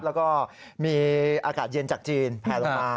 แล้วก็มีอากาศเย็นจากจีนแผลลงมา